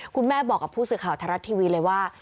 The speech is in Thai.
คุณแม่บอกกับผู้สื่อข่าวทาราตรุย์ที่วีเลยว่า